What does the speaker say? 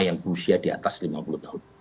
yang berusia di atas lima puluh tahun